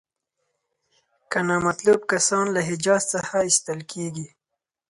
که نامطلوب کسان له حجاز څخه ایستل کیږي.